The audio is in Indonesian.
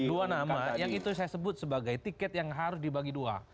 dua nama yang itu saya sebut sebagai tiket yang harus dibagi dua